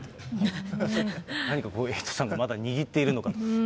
何かこう、エイトさんが握っているのか。